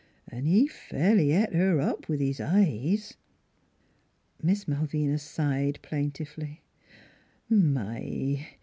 An' he fairly 'et her up with his eyes." Miss Malvina sighed plaintively. " My !